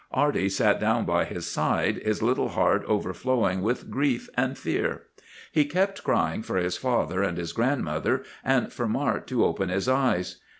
Arty sat down by his side, his little heart overflowing with grief and fear. He kept crying for his father and his grandmother, and for Mart to open his eyes.